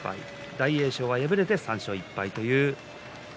大栄翔は今日敗れて３勝１敗です。